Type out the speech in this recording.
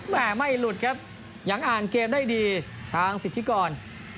แม่ไม่หลุดครับยังอ่านเกมได้ดีทางสิทธิกร